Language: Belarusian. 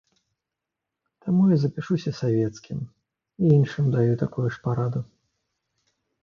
Таму я запішуся савецкім, і іншым даю такую ж параду.